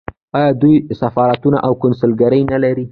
آیا دوی سفارتونه او کونسلګرۍ نلري؟